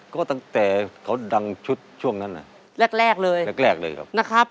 ก็ตั้งแต่เขาดังชุดช่วงนั้นอ่ะแรกแรกเลยแรกแรกเลยครับนะครับ